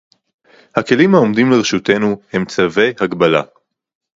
הכלים העומדים לרשותנו הם צווי הגבלה